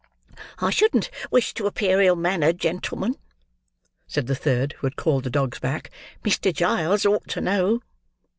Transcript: "I shouldn't wish to appear ill mannered, gentlemen," said the third, who had called the dogs back, "Mr. Giles ought to know."